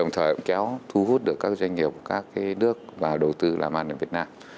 thời kéo thu hút được các doanh nghiệp các nước và đầu tư làm ăn ở việt nam